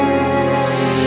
seri ng admiral